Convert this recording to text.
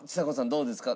どうですか？